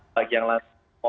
bagi yang lain